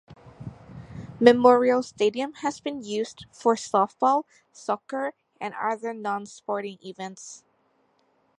Memorial Stadium has been used for softball, soccer, and other non-sporting events.